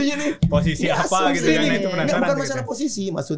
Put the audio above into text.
ini bukan masalah posisi maksudnya